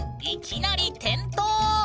いきなり転倒。